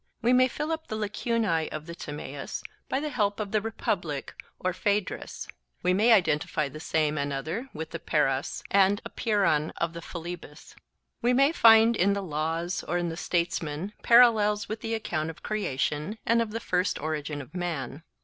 We may fill up the lacunae of the Timaeus by the help of the Republic or Phaedrus: we may identify the same and other with the (Greek) of the Philebus. We may find in the Laws or in the Statesman parallels with the account of creation and of the first origin of man.